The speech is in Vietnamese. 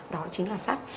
đó chính là sắt